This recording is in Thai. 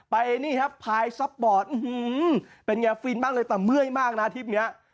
ไปนี่ฮะพายสปอร์ตเป็นไงฟรีนบ้างเลยแต่เมื่อยมากนะทริปนี้